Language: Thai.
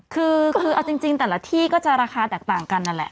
คือเอาจริงแต่ละที่ก็จะราคาแตกต่างกันนั่นแหละ